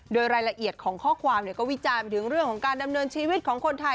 โดยรายละเอียดของข้อความก็วิจารณ์ถึงเรื่องของการดำเนินชีวิตของคนไทย